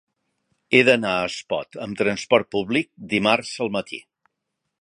He d'anar a Espot amb trasport públic dimarts al matí.